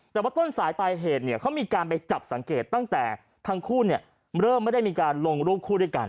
แต่ว่าต้นสายปลายเหตุเนี่ยเขามีการไปจับสังเกตตั้งแต่ทั้งคู่เนี่ยเริ่มไม่ได้มีการลงรูปคู่ด้วยกัน